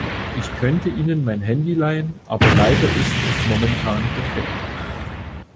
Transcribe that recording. Ich könnte Ihnen mein Handy leihen, aber leider ist es momentan defekt.